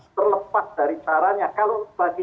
terlepas dari caranya kalau bagi